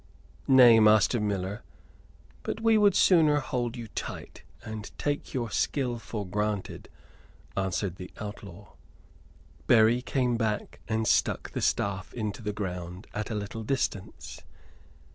"Nay, master miller, but we would sooner hold you tight, and take your skill for granted," answered the outlaw. Berry came back and stuck the staff into the ground at a little distance.